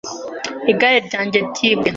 Igare ryanjye ryibwe.